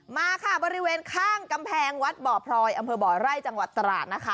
มาค่ะบริเวณข้างกำแพงวัดบ่อพลอยอำเภอบ่อไร่จังหวัดตราดนะคะ